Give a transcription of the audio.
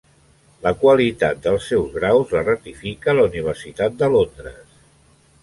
La qualitat dels seus graus la ratifica la Universitat de Londres.